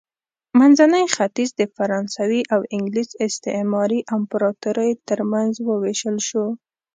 منځنی ختیځ د فرانسوي او انګلیس استعماري امپراتوریو ترمنځ ووېشل شو.